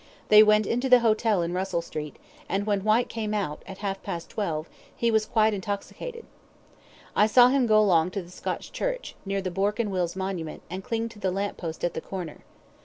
They went into the hotel in Russell Street, and when Whyte came out, at half past twelve, he was quite intoxicated. I saw him go along to the Scotch Church, near the Bourke and Wills' monument, and cling to the lamp post at the corner.